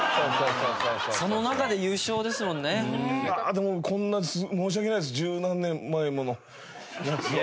でもこんな申し訳ないです十何年前ものやつを。